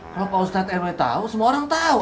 kalau pak ustadz rw tahu semua orang tahu